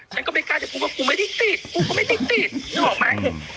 ฉันก็ไม่กล้าจะพูดว่ากูไม่ดิ๊กดิ๊กกูก็ไม่ดิ๊กดิ๊กนึกออกไหม